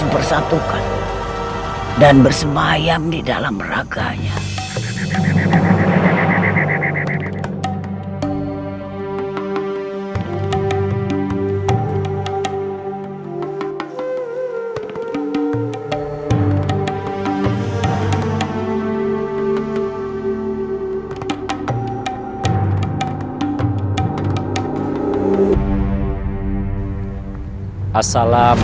proyek tersebut sudah mengubah diri amor siada di dunia sosial dan judul